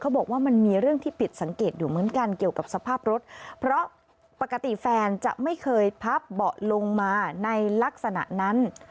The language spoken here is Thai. บอกว่ามันมีเรื่องที่ผิดสังเกตอยู่เหมือนกันเกี่ยวกับสภาพรถเพราะปกติแฟนจะไม่เคยพับเบาะลงมาในลักษณะนั้น